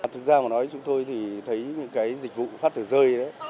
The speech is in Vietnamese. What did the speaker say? thực ra mà nói chúng tôi thì thấy những cái dịch vụ phát tờ rơi đấy